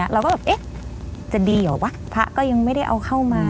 เราก็แบบเอ๊ะจะดีเหรอวะพระก็ยังไม่ได้เอาเข้ามา